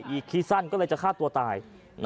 อีกคิดสั้นก็เลยจะฆ่าตัวตาย